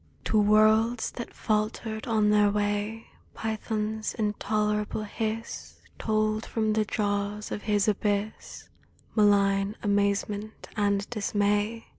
1 79 A DREAM OF FEAR To worlds that faltered on their way Python's intolerable hiss Told from the jaws of his abyss Malign amazement and dismay.